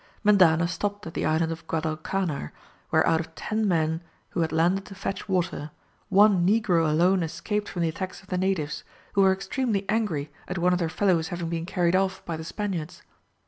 Mendana stopped at the Island of Guadalcanar, where out of ten men who had landed to fetch water, one negro alone escaped from the attacks of the natives, who were extremely angry at one of their fellows having been carried off by the Spaniards.